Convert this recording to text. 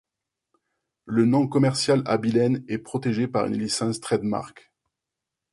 Le nom commercial 'Abilène' est protégé par une licence trademark.